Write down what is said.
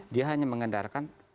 dia hanya mengandalkan